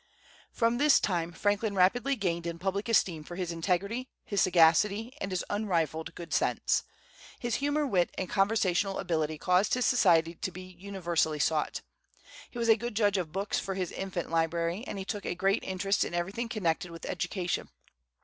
From this time Franklin rapidly gained in public esteem for his integrity, his sagacity, and his unrivalled good sense. His humor, wit, and conversational ability caused his society to be universally sought. He was a good judge of books for his infant library, and he took a great interest in everything connected with education.